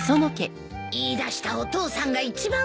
言いだしたお父さんが一番遅いよ。